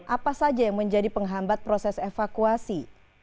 apa saja yang menjadi penghambat proses evakuasi